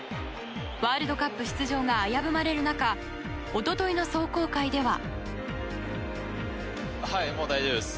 ワールドカップ出場が危ぶまれる中一昨日の壮行会では。